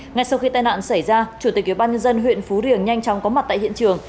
ngay sau khi tai nạn xảy ra chủ tịch ubnd huyện phú riềng nhanh chóng có mặt tại hiện trường